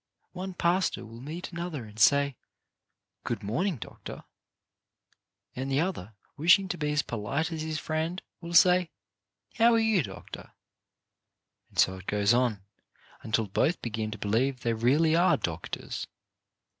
One pastor will meet another and say, "Good morning, Doctor," and the other, wishing to be as polite as his friend, will say, "How are you, Doctor?" and so it goes on, until both begin to believe they really are Doctors.